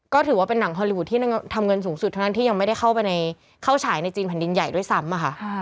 ก็ถือว่าเป็นหนังฮอลลีวูดที่ทำเงินสูงสุดเท่านั้นที่ยังไม่ได้เข้าไปเข้าฉายในจีนแผ่นดินใหญ่ด้วยซ้ำอะค่ะ